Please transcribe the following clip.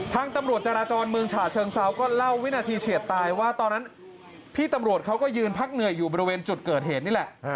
ทางตำรวจจราจรเมืองฉะเชิงเซาก็เล่าวินาทีเฉียดตายว่าตอนนั้นพี่ตำรวจเขาก็ยืนพักเหนื่อยอยู่บริเวณจุดเกิดเหตุนี่แหละ